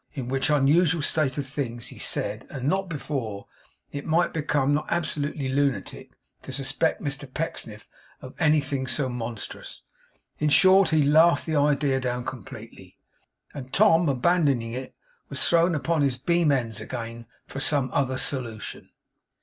In which unusual state of things, he said (and not before), it might become not absolutely lunatic to suspect Mr Pecksniff of anything so monstrous. In short he laughed the idea down completely; and Tom, abandoning it, was thrown upon his beam ends again, for some other solution.